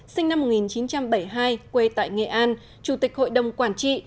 sinh năm một nghìn chín trăm bảy mươi hai quê tại nghệ an chủ tịch hội đồng quản trị